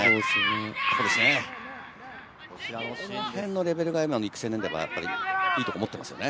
このへんのレベルが今、育成でもいいところを持っていますよね。